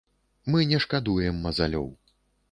Мы не шкадуем мазалёў.